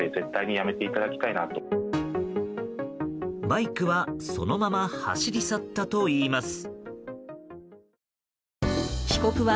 バイクはそのまま走り去ったといいます。